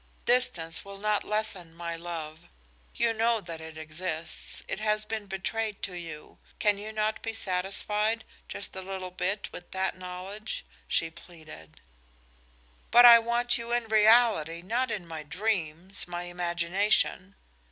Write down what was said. Distance will not lessen my love. You know that it exists; it has been betrayed to you. Can you not be satisfied just a little bit with that knowledge?" she pleaded. "But I want you in reality, not in my dreams, my imagination."